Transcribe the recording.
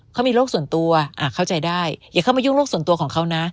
เขามีโรคส่วนตัวเข้าใจได้อย่าเข้ามายุ่งโลกส่วนตัวของเขานะ